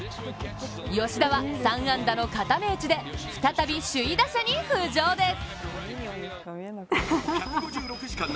吉田は３安打の固め打ちで再び首位打者に浮上です。